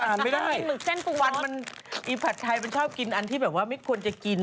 แอ่ล่างผัดไทชอบกินอันที่ไม่ควรจะกิน